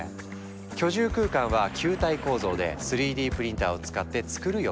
居住空間は球体構造で３Ｄプリンターを使ってつくる予定とか。